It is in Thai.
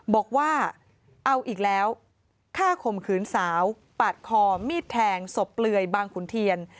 บอกว่าเอาอีกแล้วฆ่าข่มขืนสาวปาดคอมีดแทงศพเปลือยบางขุนเทียน